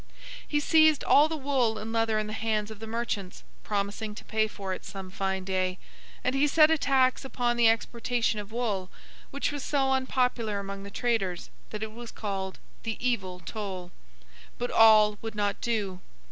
He seized all the wool and leather in the hands of the merchants, promising to pay for it some fine day; and he set a tax upon the exportation of wool, which was so unpopular among the traders that it was called 'The evil toll.' But all would not do.